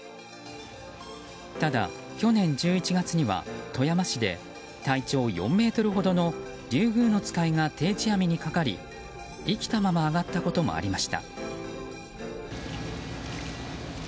ただ、去年１１月には富山市で体長４ｍほどのリュウグウノツカイが定置網にかかり、生きたまま揚がったこともありました。